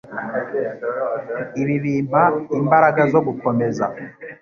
Ibi bimpa imbaraga zo gukomeza.